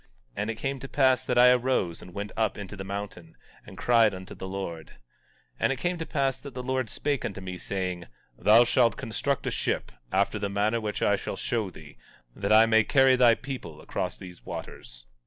And it came to pass that I arose and went up into the mountain, and cried unto the Lord. 17:8 And it came to pass that the Lord spake unto me, saying: Thou shalt construct a ship, after the manner which I shall show thee, that I may carry thy people across these waters.